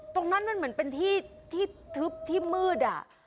ตรงนั้นมันเหมือนเป็นที่มืด